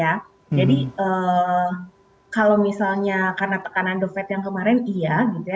jadi kalau misalnya karena tekanan the fed yang kemarin iya gitu ya